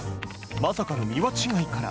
まさかのミワ違いから。